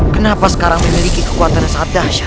kenapa sekarang memiliki kekuatannya saat dahsyat